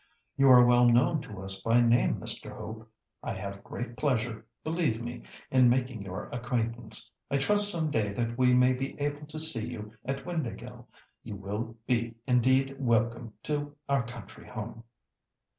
"You are well known to us by name, Mr. Hope! I have great pleasure, believe me, in making your acquaintance. I trust some day that we may be able to see you at Windāhgil. You will be indeed welcome to our country home."